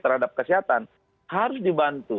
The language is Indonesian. terhadap kesehatan harus dibantu